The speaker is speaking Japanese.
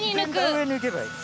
上に抜けばいい。